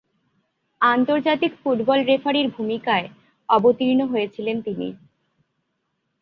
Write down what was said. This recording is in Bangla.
আন্তর্জাতিক ফুটবল রেফারির ভূমিকায় অবতীর্ণ হয়েছিলেন তিনি।